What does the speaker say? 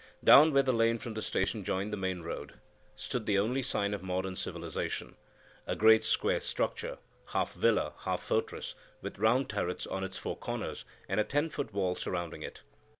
Down where the lane from the station joined the main road stood the only sign of modern civilization,—a great square structure, half villa, half fortress, with round turrets on its four corners, and a ten foot wall surrounding it.